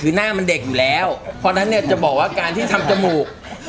คือหน้ามันเด็กอยู่แล้วเพราะฉะนั้นเนี่ยจะบอกว่าการที่ทำจมูก